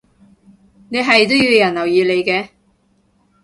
你係都要人留意你嘅